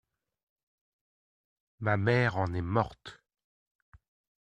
Ma mère en est morte.